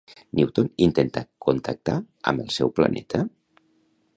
Newton intenta contactar amb el seu planeta?